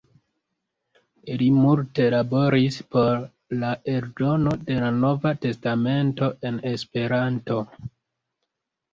Li multe laboris por la eldono de la Nova testamento en Esperanto.